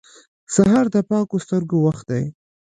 سهار د پاکو سترګو وخت دی.